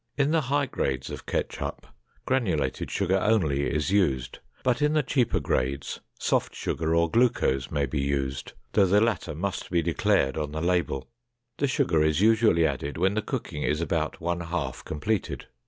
In the high grades of ketchup, granulated sugar only is used, but in the cheaper grades, soft sugar or glucose, may be used, though the latter must be declared on the label. The sugar is usually added when the cooking is about one half completed.